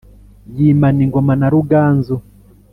Yimana ingoma na Ruganzu